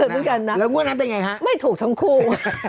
โอ๊ยเหว๋ละเหมือนกันนะไม่ถูกทั้งคู่